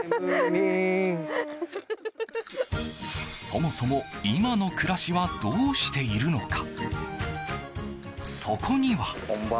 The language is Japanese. そもそも今の暮らしはどうしているのか。